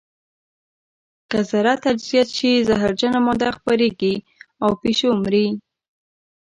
که ذره تجزیه شي زهرجنه ماده خپرېږي او پیشو مري.